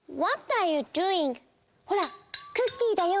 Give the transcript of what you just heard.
ほらクッキーだよ。